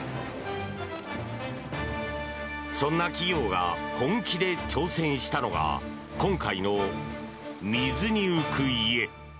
そんな企業が本気で挑戦したのが今回の水に浮く家。